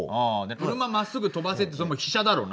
「車まっすぐ飛ばせ」って「飛車」だろうな。